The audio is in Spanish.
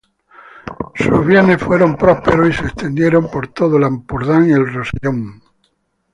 Su bienes fueron prósperos y se extendieron por todo el Ampurdán y el Rosellón.